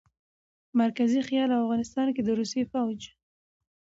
مرکزي خيال او افغانستان کښې د روسي فوج